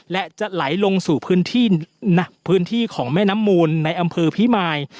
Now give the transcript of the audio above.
และจะไหลลงสู่พื้นที่พื้นที่ของแม่น้ำมูลในอำเภอพิมาย